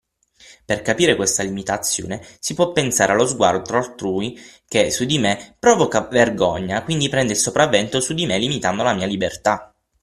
Per capire questa limitazione si può pensare allo sguardo altrui che su di me provoca vergogna quindi prende il sopravvento su di me limitando la mia libertà.